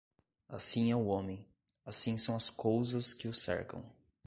Assim é o homem, assim são as cousas que o cercam.